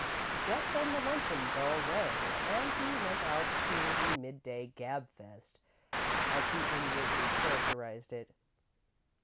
Just then the luncheon bell rang, and he went out to the midday "gab fest," as he inwardly characterised it.